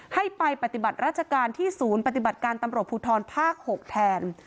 ให้ไปปฏิบัติราชการที่ศูนย์ปฏิบัติการตำรกผุทธรภิกษ์ภาคหกแทน